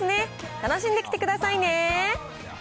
楽しんできてくださいね。